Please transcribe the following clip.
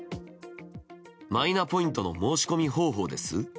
マイナポイントの申し込み方法です？